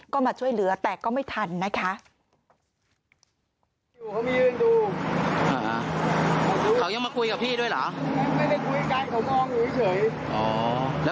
ก็มาช่วยเหลือแต่ก็ไม่ทันนะคะ